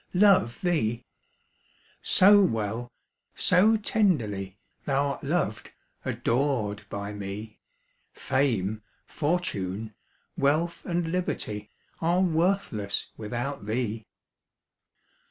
Love thee? so well, so tenderly, Thou'rt loved, adored by me, Fame, fortune, wealth, and liberty, Are worthless without thee.